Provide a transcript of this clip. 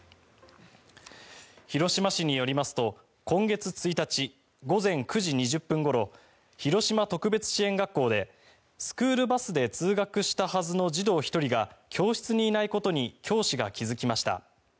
広島市によりますと今月１日午前９時２０分ごろ広島特別支援学校でスクールバスで通学したはずの児童１人が教室にいないことに教師が気付きました。